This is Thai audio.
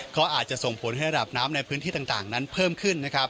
ก็อาจจะส่งผลให้ระดับน้ำในพื้นที่ต่างนั้นเพิ่มขึ้นนะครับ